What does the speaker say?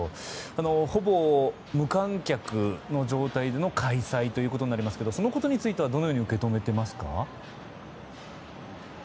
ほぼ無観客の状態の開催となりますけれどもそのことについてはどのように受け止めていますか。